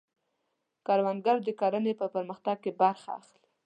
کروندګر د کرنې په پرمختګ کې برخه اخلي